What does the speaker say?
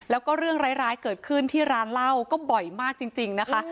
แล้วก็เรื่องร้ายเกิดขึ้นที่ร้านเหล้าก็บ่อยมากจริงนะคะ